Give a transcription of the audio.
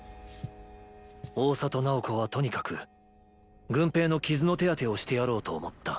大郷楠宝子はとにかく郡平の傷の手当てをしてやろうと思った。